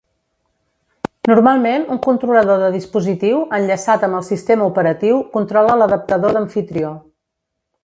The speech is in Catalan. Normalment un controlador de dispositiu, enllaçat amb el sistema operatiu, controla l'adaptador d'amfitrió.